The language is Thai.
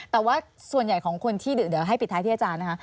แต่ว่าส่วนใหญ่ของคนที่เดี๋ยวให้ปิดท้ายที่อาจารย์นะคะ